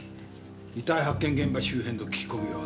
遺体発見現場周辺の聞き込みは？